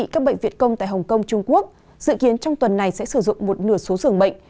các bệnh viện công tại hồng kông trung quốc dự kiến trong tuần này sẽ sử dụng một nửa số dường bệnh